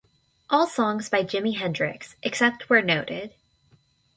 All songs by Jimi Hendrix, except where noted.